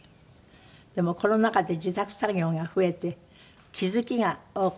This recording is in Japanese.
でもコロナ禍で自宅作業が増えて気付きが多かったって。